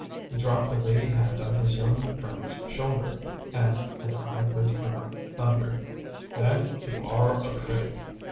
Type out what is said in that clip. He dropped a weighty hand on his young friend's shoulder, and, in high good humour, thundered: "Then you are a critic!